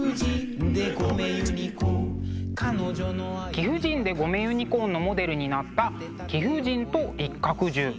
「貴婦人でごめユニコーン」のモデルになった「貴婦人と一角獣」。